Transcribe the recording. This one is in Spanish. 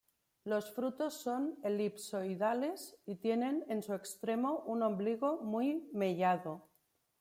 Los frutos son elipsoidales y tienen en su extremo un ombligo muy mellado.